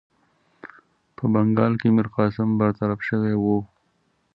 په بنګال کې میرقاسم برطرف شوی وو.